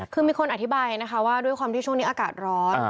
คือมีคนอธิบายนะคะว่าด้วยความที่ช่วงนี้อากาศร้อน